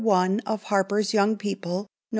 1 of HARPER'S YOUNG PEOPLE, Nov.